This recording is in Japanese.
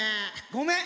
ごめん。